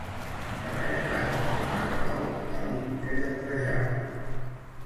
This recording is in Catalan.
Cap a llevant, el mar blau pàl·lid que llambrejava